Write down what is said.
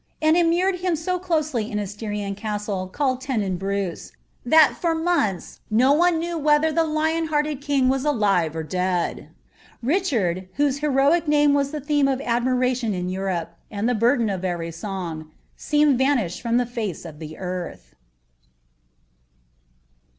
and iinniured liiin so closely in a S^'riaii castle, called Teiiebreuw, ilnl for months no one knew whether the lion hearted king was alin or dead. Richard, whose heroic name was the theme of adniiralioa in Europe, and the burden of every song, seemed vanished from the htt of the earth.